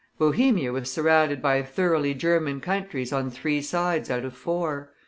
Bohemia was surrounded by thoroughly German countries on three sides out of four.